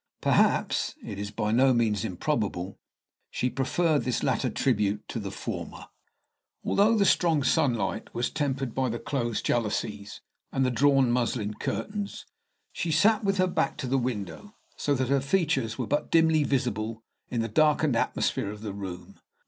Perhaps it is by no means improbable she preferred this latter tribute to the former. Although the strong sunlight was tempered by the closed jalousies and the drawn muslin curtains, she sat with her back to the window, so that her features were but dimly visible in the darkened atmosphere of the room.